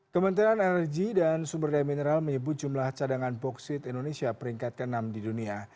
kementerian energi dan sumber daya mineral menyebut jumlah cadangan boksit indonesia peringkat ke enam di dunia